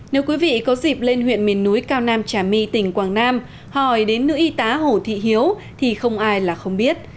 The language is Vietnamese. nếu quý vị có dịp lên huyện miền núi cao nam trà my tỉnh quảng nam hỏi đến nữ y tá hồ thị hiếu thì không ai là không biết